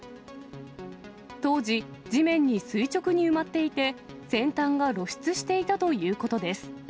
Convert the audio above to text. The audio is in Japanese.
当時、地面に垂直に埋まっていて、先端が露出していたということです。